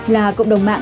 là cộng đồng mạng